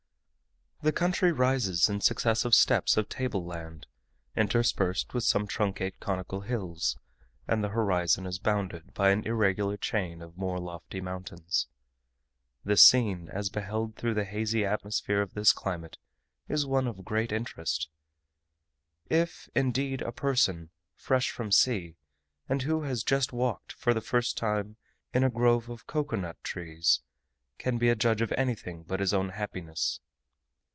The country rises in successive steps of table land, interspersed with some truncate conical hills, and the horizon is bounded by an irregular chain of more lofty mountains. The scene, as beheld through the hazy atmosphere of this climate, is one of great interest; if, indeed, a person, fresh from sea, and who has just walked, for the first time, in a grove of cocoa nut trees, can be a judge of anything but his own happiness.